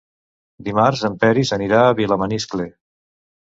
Dimarts en Peris anirà a Vilamaniscle.